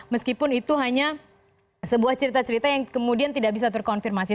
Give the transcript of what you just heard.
meskipun itu hanya sebuah cerita cerita yang kemudian tidak bisa terkonfirmasi